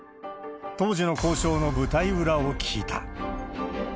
当時の交渉の舞台裏を聞いた。